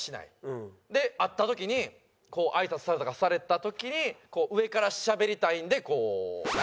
で会った時にあいさつされた時に上からしゃべりたいんでこう。